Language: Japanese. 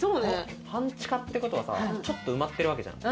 半地下ってことは、ちょっと埋まってるわけじゃん。